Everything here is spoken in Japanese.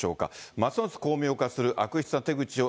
ますます巧妙化する悪質な手口を、